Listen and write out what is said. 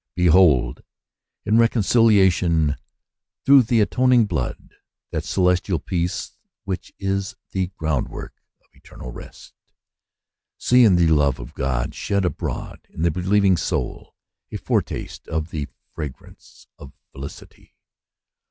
Behold, in reconciliation through Promises in Possession Through the Spirit. 125 the atoning blood, that celestial peace which is the groundwork of eternal rest. See, in the love of God shed abroad in the believing soul, a foretaste of the fragrance of felicity.